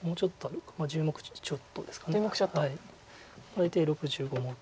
大体６５目。